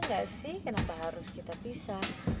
gak sih kenapa harus kita pisah